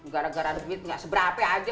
gara gara debit gak seberapa aja